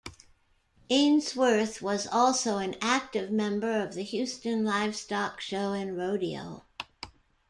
Ainsworth was also an active member of the Houston Livestock Show and Rodeo.